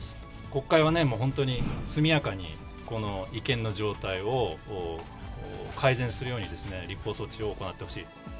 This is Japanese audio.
国会は本当に速やかに、この違憲の状態を改善するように、立法措置を行ってほしい。